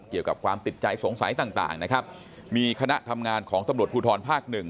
เกี่ยวกับความติดใจสงสัยต่างนะครับมีคณะทำงานของตำรวจภูทรภาคหนึ่ง